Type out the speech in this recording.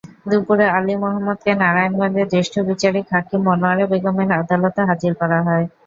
দুপুুরে আলী মোহাম্মদকে নারায়ণগঞ্জের জ্যেষ্ঠ বিচারিক হাকিম মনোয়ারা বেগমের আদালতে হাজির করা হয়।